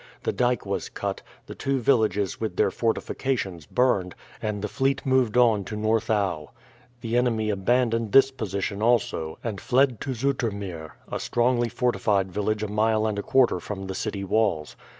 The dyke was cut, the two villages with their fortifications burned, and the fleet moved on to North Aa. The enemy abandoned this position also, and fled to Zoetermeer, a strongly fortified village a mile and a quarter from the city walls.